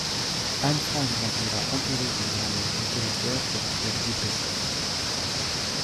Anne-France grandira entourée d'une grand-mère autoritaire et d'un père dépressif.